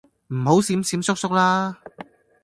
唔好閃閃縮縮啦